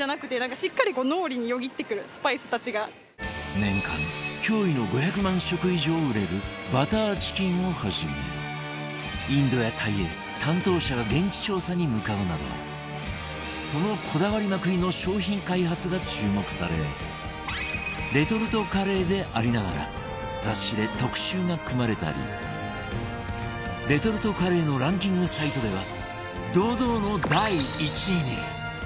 年間驚異の５００万食以上売れるバターチキンをはじめインドやタイへ担当者が現地調査に向かうなどそのこだわりまくりの商品開発が注目されレトルトカレーでありながら雑誌で特集が組まれたりレトルトカレーのランキングサイトでは堂々の第１位に